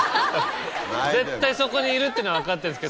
絶対そこにいるっていうのは分かってるんですけど。